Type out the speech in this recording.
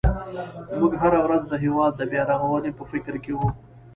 موږ هره ورځ د هېواد د بیا رغونې په فکر کې وو.